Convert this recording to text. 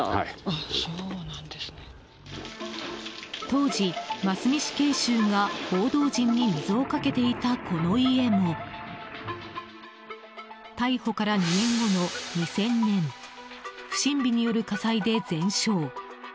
当時、真須美死刑囚が報道陣に水をかけていたこの家も逮捕から２年後の２０００年不審火による火災で全焼。